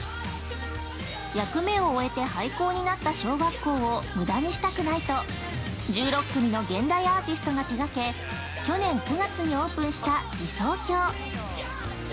役目を終えて廃校になった小学校を無駄にしたくないと１６組の現代アーテストが手がけ去年９月にオープンした「理想郷」。